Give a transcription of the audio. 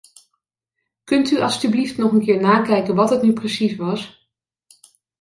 Kunt u alstublieft nog een keer nakijken wat het nu precies was?